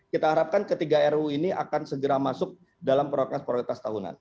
kita harapkan ketiga ru ini akan segera masuk dalam prokes prioritas tahunan